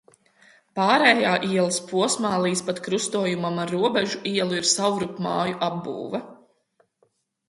Pārējā ielas posmā līdz pat krustojumam ar Robežu ielu ir savrupmāju apbūve.